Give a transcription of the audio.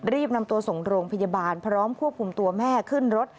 รีบนำตัวส่งโรงพยาบาลพร้อมควบคุมตัวแม่ขึ้นรถ